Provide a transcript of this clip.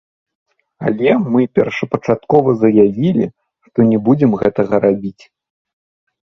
Але мы першапачаткова заявілі, што не будзем гэтага рабіць.